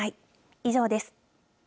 以上です。